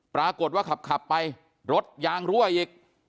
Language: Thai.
ปรากฏว่าขับไปรถยางรั่วอีก